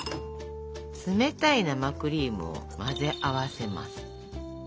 冷たい生クリームを混ぜ合わせます。